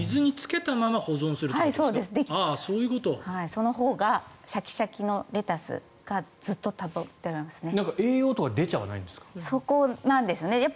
そのほうがシャキシャキのレタスがずっと食べられますね。